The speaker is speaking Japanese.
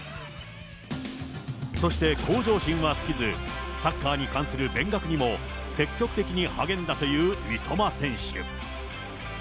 そして向上心は尽きず、サッカーに関する勉学にも積極的に励んだという三笘選手。